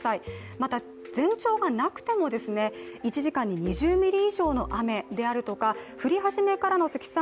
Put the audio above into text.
また、前兆がなくても１時間に２０ミリ以上の雨ですとか降り始めからの積算